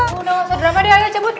gua nggak usah drama deh ayo jemput